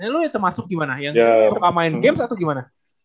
lu termasuk gimana yang suka main game atau gimana